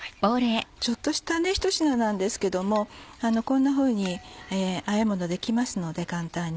ちょっとしたひと品なんですけどもこんなふうにあえものできますので簡単に。